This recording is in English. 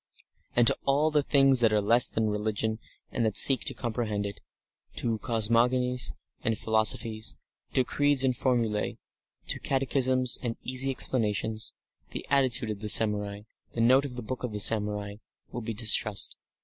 And to all the things that are less than religion and that seek to comprehend it, to cosmogonies and philosophies, to creeds and formulae, to catechisms and easy explanations, the attitude of the samurai, the note of the Book of Samurai, will be distrust.